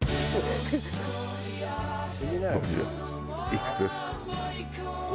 いくつ？